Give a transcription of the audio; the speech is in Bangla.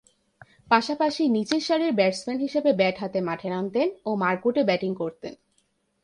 পাশাপাশি নিচেরসারির ব্যাটসম্যান হিসেবে ব্যাট হাতে মাঠে নামতেন ও মারকুটে ব্যাটিং করতেন।